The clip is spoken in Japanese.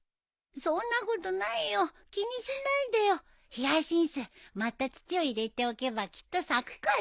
ヒヤシンスまた土を入れておけばきっと咲くから。